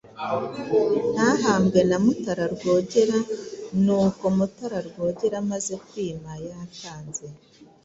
ntahambwe na Mutara Rwogera ni uko Mutara Rwogera amaze kwima yatanze